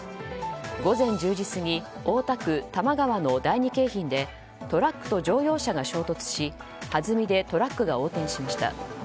午前１０時過ぎ大田区多摩川の第二京浜でトラックと乗用車が衝突しはずみでトラックが横転しました。